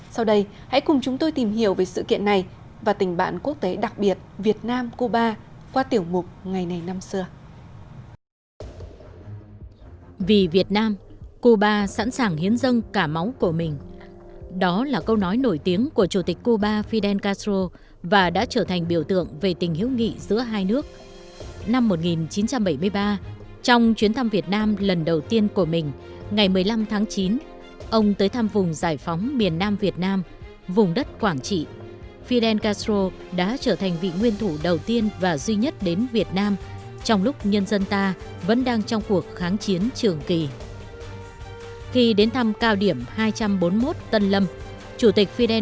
sau đây hãy cùng chúng tôi tìm hiểu về sự kiện này và tình bạn quốc tế đặc biệt việt nam cuba qua tiểu mục ngày này năm xưa